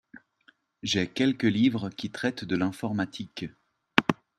J'ai quelques livres qui traitent de l'informatique.